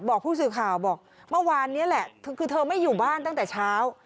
บอกผู้สื่อข่าวบอกเมื่อวานนี้แหละคือเธอไม่อยู่บ้านตั้งแต่เช้า